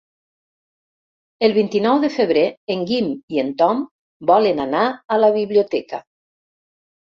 El vint-i-nou de febrer en Guim i en Tom volen anar a la biblioteca.